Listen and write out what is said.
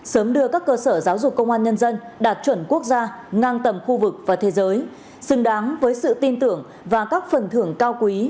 sớm đưa các cơ sở giáo dục công an nhân dân đạt chuẩn quốc gia ngang tầm khu vực và thế giới xứng đáng với sự tin tưởng và các phần thưởng cao quý